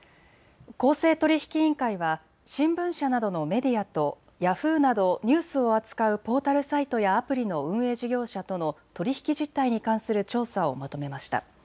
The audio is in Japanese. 公正取引委員会は新聞社などのメディアとヤフーなどニュースを扱うポータルサイトやアプリの運営事業者との取り引き実態に関する調査をまとめました。